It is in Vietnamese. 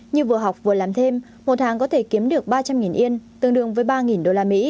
như vừa học vừa làm thêm một hàng có thể kiếm được ba trăm linh yên tương đương với ba usd